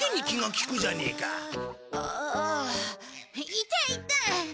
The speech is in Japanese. いたいた。